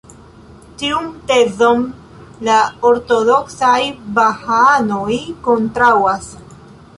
Tiun tezon la ortodoksaj Bahaanoj kontraŭas.